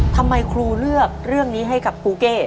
ทำไมครูเลือกเรื่องนี้ให้กับครูเก้